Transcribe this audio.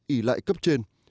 ỉ lại cấp trên